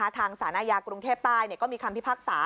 ทางสารอาญากรุงเทพใต้ก็มีคำพิพากษา